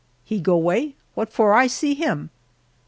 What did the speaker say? he go way, what for I see him?"